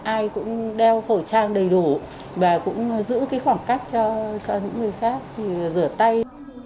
ai cũng đeo khẩu trang đầy đủ và cũng giữ cái khoảng cách cho những người khác rửa tay